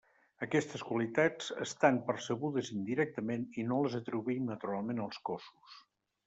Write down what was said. Aquestes qualitats estan percebudes indirectament i no les atribuïm naturalment als cossos.